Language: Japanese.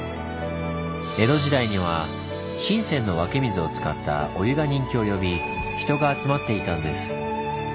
江戸時代には神泉の湧き水を使ったお湯が人気を呼び人が集まっていたんです。